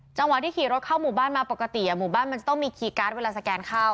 จังหวะที่ขี่รถเข้าหมู่บ้านมาปกติหมู่บ้านมันจะต้องมีคีย์การ์ดเวลาสแกนเข้า